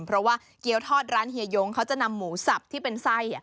เพราะว่าเกี้ยวทอดร้านเฮียยงเขาจะนำหมูสับที่เป็นไส้